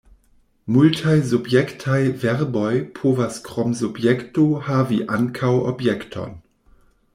Multaj subjektaj verboj povas krom subjekto havi ankaŭ objekton.